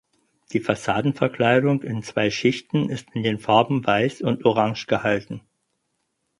Die Fassadenverkleidung in zwei Schichten ist in den Farben Weiß und Orange gehalten.